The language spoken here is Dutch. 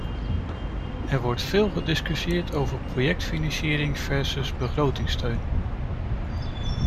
Er wordt veel gediscussieerd over projectfinanciering versus begrotingssteun.